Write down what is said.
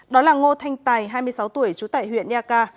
đó là ngô thanh tài hai mươi sáu tuổi trú tại huyện nha ca